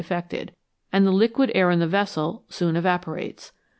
effected, and the liquid air in the vessel soon evaporates.